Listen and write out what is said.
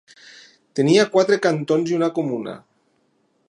Tenia quatre cantons i una comuna.